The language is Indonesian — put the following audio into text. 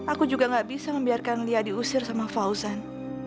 aku juga gak bisa membiarkan lia diusir sama fauzan